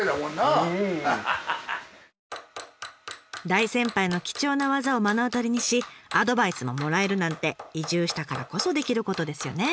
大先輩の貴重な技を目の当たりにしアドバイスももらえるなんて移住したからこそできることですよね！